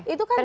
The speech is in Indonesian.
itu kan juga